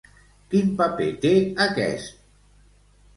Quin paper té aquest?